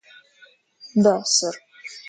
Да, сэр